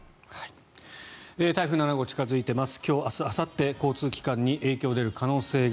台風７号近付いています。